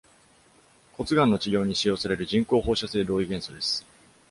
骨がんの治療に使用される人工放射性同位元素です。